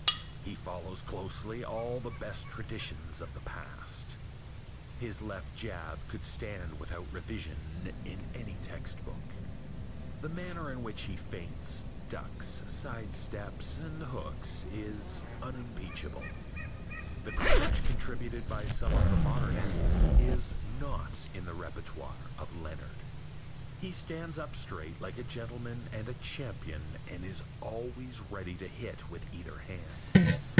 He follows closely all the best traditions of the past. His left hand jab could stand without revision in any textbook. The manner in which he feints, ducks, sidesteps and hooks is unimpeachable. The crouch contributed by some of the modernists is not in the repertoire of Leonard. He stands up straight like a gentleman and a champion and is always ready to hit with either hand.